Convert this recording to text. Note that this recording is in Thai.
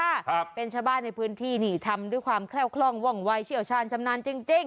ครับเป็นชาวบ้านในพื้นที่นี่ทำด้วยความแคล่วคล่องว่องวายเชี่ยวชาญชำนาญจริงจริง